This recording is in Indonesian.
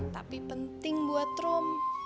tapi penting buat rom